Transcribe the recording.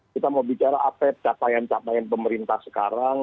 kita mau bicara apa capaian capaian pemerintah sekarang